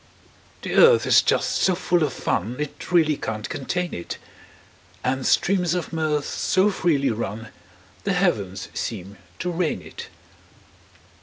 The earth is just so full of fun It really can't contain it; And streams of mirth so freely run The heavens seem to rain it.